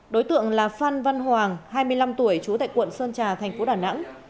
đối tượng là phan văn hoàng hai mươi năm tuổi trú tại quận sơn trà thành phố đà nẵng